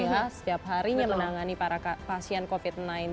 pemerintah setiap harinya menangani para pasien covid sembilan belas